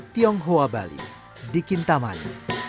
tionghoa bali di kintamani